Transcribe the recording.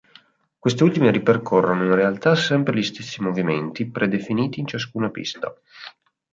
Queste ultime ripercorrono in realtà sempre gli stessi movimenti predefiniti in ciascuna pista.